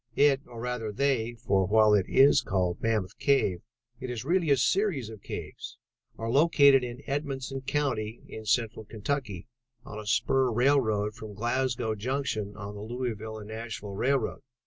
"It, or rather they, for while it is called Mammoth Cave it is really a series of caves, are located in Edmonson County in Central Kentucky, on a spur railroad from Glasgow Junction on the Louisville and Nashville Railroad.